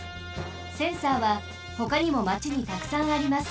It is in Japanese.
センサーはほかにもまちにたくさんあります。